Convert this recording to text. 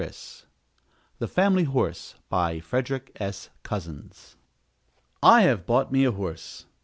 ] THE FAMILY HORSE BY FREDERICK S. COZZENS I have bought me a horse.